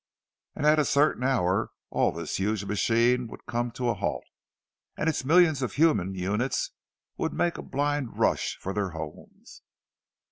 And at a certain hour all this huge machine would come to a halt, and its millions of human units would make a blind rush for their homes.